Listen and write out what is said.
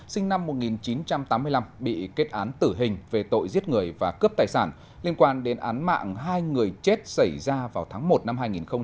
sinh năm một nghìn chín trăm tám mươi năm bị kết án tử hình về tội giết người và cướp tài sản liên quan đến án mạng hai người chết xảy ra vào tháng một năm hai nghìn một mươi chín